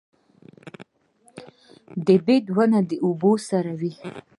د بید ونه د اوبو سره وي